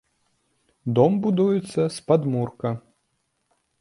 Дом будуецца з падмурка.